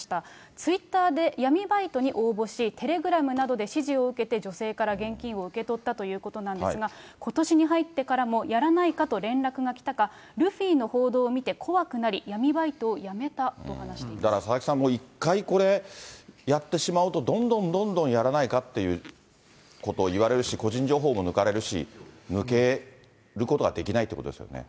ツイッターで闇バイトに応募し、テレグラムなどで指示を受けて、女性から現金を受け取ったということなんですが、ことしに入ってからも、やらないかと連絡が来たが、ルフィの報道を見て怖くなり、だから佐々木さん、１回これ、やってしまうと、どんどんどんどんやらないかっていうことを言われるし個人情報も抜かれるし、抜けることはできないということですよね。